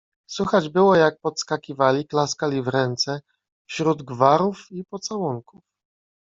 Słychać było, jak podskakiwali, klaskali w ręce, wśród gwarów i pocałunków.